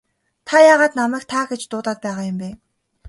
Та яагаад намайг та гэж дуудаад байгаа юм бэ?